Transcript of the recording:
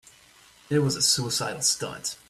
It was a suicidal stunt.